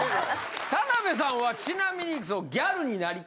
田辺さんはちなみに。